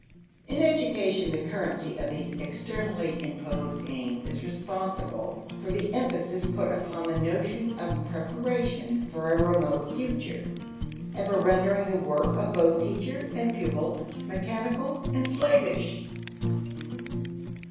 In education, the currency of these externally imposed aims is responsible for the emphasis put upon the notion of preparation for a remote future and for rendering the work of both teacher and pupil mechanical and slavish.